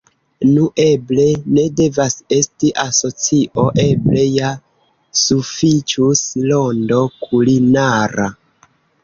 Nu, eble ne devas esti asocio; eble ja sufiĉus “Rondo Kulinara.